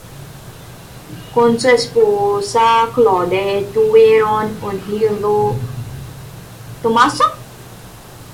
Con su esposa Claudia, tuvieron un hijo, Tommaso.